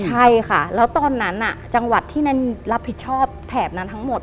ใช่ค่ะแล้วตอนนั้นจังหวัดที่นั่นรับผิดชอบแถบนั้นทั้งหมด